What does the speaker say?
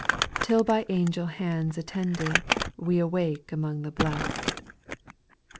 Till by angel hands attended, We awake among the blest.